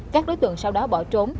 các đối tượng sau đó bỏ trốn